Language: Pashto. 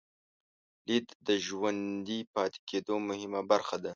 لیدل د ژوندي پاتې کېدو مهمه برخه ده